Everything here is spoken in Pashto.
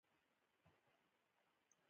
د نجونو تعلیم د ټولنې پراختیا مرسته کوي.